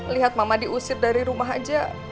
lihat mama diusir dari rumah aja